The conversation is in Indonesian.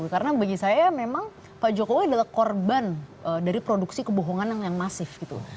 karena bagi saya memang pak jokowi adalah korban dari produksi kebohongan yang masif gitu